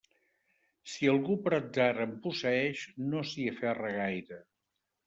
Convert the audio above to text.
Si algú per atzar en posseeix, no s'hi aferra gaire.